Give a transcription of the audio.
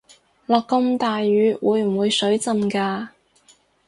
落咁大雨會唔會水浸架